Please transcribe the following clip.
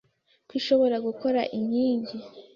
ko ishobora gukora inking